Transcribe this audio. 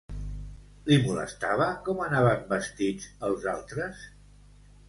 Li molestava com anaven vestits els altres?